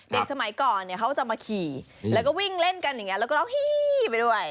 สมัยก่อนเนี่ยเขาจะมาขี่แล้วก็วิ่งเล่นกันอย่างนี้แล้วก็ร้องฮี้ไปด้วย